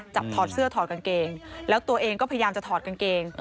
ถอดเสื้อถอดกางเกงแล้วตัวเองก็พยายามจะถอดกางเกง